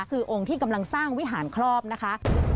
คือองค์ที่กำลังสร้างวิหารครอบนะคะ